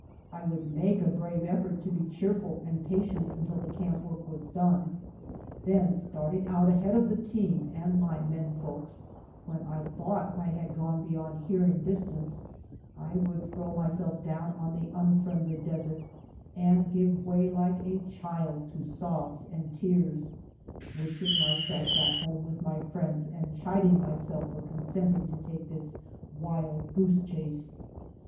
I would make a brave effort to be cheerful and patient until the camp work was done. Then starting out ahead of the team and my men folks, when I thought I had gone beyond hearing distance, I would throw myself down on the unfriendly desert and give Avay like a child to sobs and tears, wishing myself back home with my friends and chid ing myself for consenting to take this wild goose chase.